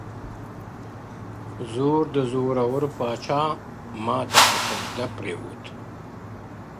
• زور د زورور پاچا، ماته پر سجده پرېووت،